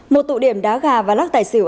một tụ điểm đá gà và lắc tài xỉu